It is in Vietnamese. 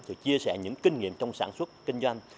thì chia sẻ những kinh nghiệm trong sản xuất kinh doanh